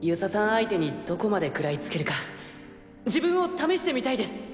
相手にどこまで食らいつけるか自分を試してみたいです！